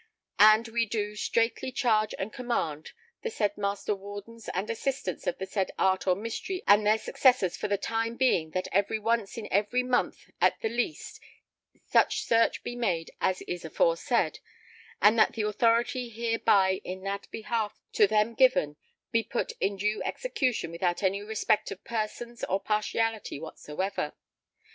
And ... we do ... straitly charge and command the said Master Wardens and Assistants of the said art or mystery and their successors for the time being that once in every month at the least such search be made as is aforesaid, and that the authority hereby in that behalf to them given be put in due execution without any respect of persons or partiality whatsoever.